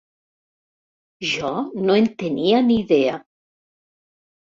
Jo no en tenia ni idea.